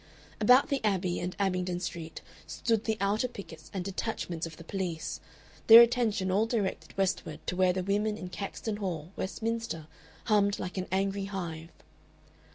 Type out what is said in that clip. About the Abbey and Abingdon Street stood the outer pickets and detachments of the police, their attention all directed westward to where the women in Caxton Hall, Westminster, hummed like an angry hive.